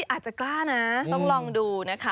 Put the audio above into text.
อาจจะกล้านะต้องลองดูนะคะ